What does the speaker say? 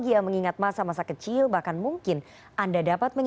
ini memang tidak memangnya daftar